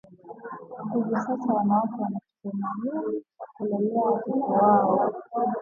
Hivi sasa wanawake wana kituo maalum cha kulelea watoto wao